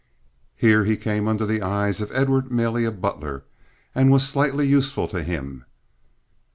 Here he came under the eyes of Edward Malia Butler, and was slightly useful to him.